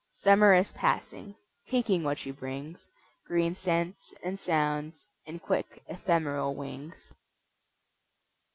Summer is passing, taking what she brings: Green scents and sounds, and quick ephemeral wings.